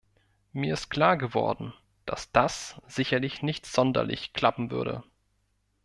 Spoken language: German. Mir ist klar geworden, dass das sicherlich nicht sonderlich klappen würde.